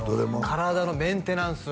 体のメンテナンス